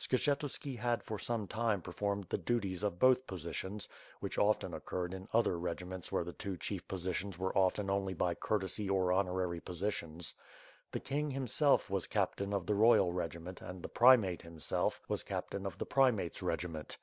Skshetuski had for some time performed the duties of both positions, which often occurred in other regiments where the two chief positions were often only by courtesy or honorary positions. The king, himself, was captain of the royal regi ment and the primate himself was captain of the primate's regiment.